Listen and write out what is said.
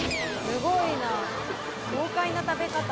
すごいな豪快な食べ方。